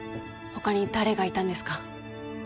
他に誰がいたんですか？